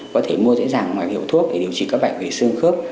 có thể mua dễ dàng ngoài hiệu thuốc để điều trị các bệnh về xương khớp